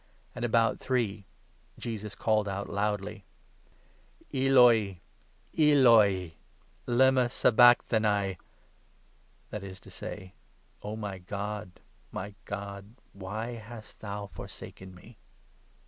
And 46 about three Jesus called out loudly :" Eloi, Eloi, lema sabacthani "— that is to say, ' O my God, my God, why hast thou forsaken me